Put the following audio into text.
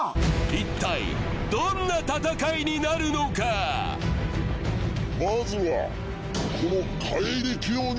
一体どんな戦いになるのかまずは何？